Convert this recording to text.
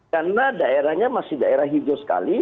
karena daerahnya masih daerah hijau sekali